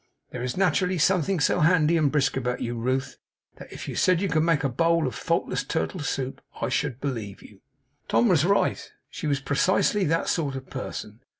There is naturally something so handy and brisk about you, Ruth, that if you said you could make a bowl of faultless turtle soup, I should believe you.' And Tom was right. She was precisely that sort of person.